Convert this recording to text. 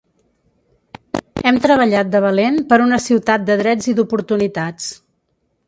Hem treballat de valent per una ciutat de drets i d’oportunitats.